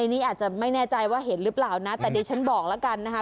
นี่อาจจะไม่แน่ใจว่าเห็นหรือเปล่านะแต่เดี๋ยวฉันบอกแล้วกันนะคะ